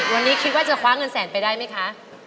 วันนี้คิดว่าจะคว้าเงินแสนไปได้ไหมคะ